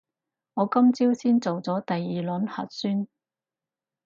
我今朝先做咗第二輪核酸